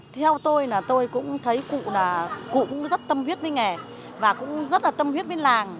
theo tôi tôi cũng thấy cụ cũng rất tâm huyết với nghề và cũng rất là tâm huyết với làng